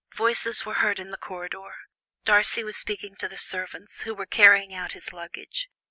Voices were heard in the corridor; Darcy was speaking to the servants, who were carrying out his luggage.